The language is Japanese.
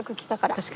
確かに。